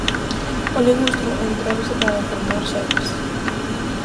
O ligustro emprégase para formar sebes.